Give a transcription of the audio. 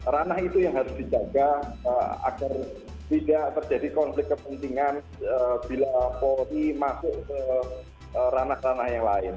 ranah itu yang harus dijaga agar tidak terjadi konflik kepentingan bila polri masuk ke ranah ranah yang lain